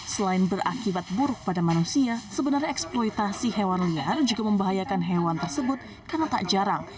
selain berakibat buruk pada manusia sebenarnya eksploitasi hewan liar juga membahayakan hewan tersebut karena tak jarang